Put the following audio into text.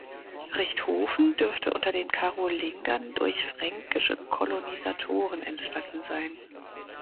Richthofen dürfte unter den Karolingern durch fränkische Kolonisatoren entstanden sein.